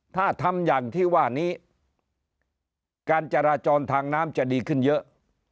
ถ้าทำอย่างที่ว่านี้การจราจรทางน้ำจะดีขึ้นเยอะ